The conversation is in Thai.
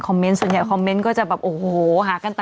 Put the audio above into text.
เมนต์ส่วนใหญ่คอมเมนต์ก็จะแบบโอ้โหหากันต่อ